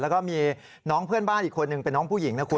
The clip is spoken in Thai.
แล้วก็มีน้องเพื่อนบ้านอีกคนนึงเป็นน้องผู้หญิงนะคุณ